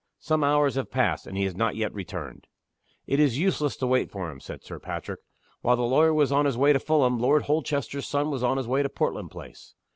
Some hours have passed and he has not yet returned." "It is useless to wait for him," said Sir Patrick. "While the lawyer was on his way to Fulham, Lord Holchester's son was on his way to Portland Place.